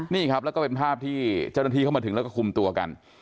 นี่ครับแล้วก็เป็นภาพที่เจ้าหน้าที่เข้ามาถึงแล้วก็คุมตัวกัน